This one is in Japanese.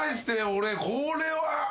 俺これは。